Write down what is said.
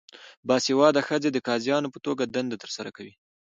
باسواده ښځې د قاضیانو په توګه دنده ترسره کوي.